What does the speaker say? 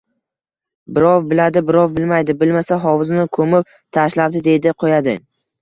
Birov biladi, birov bilmaydi. Bilmasa, hovuzni ko‘mib tashlabdi, deydi-qo‘yadi.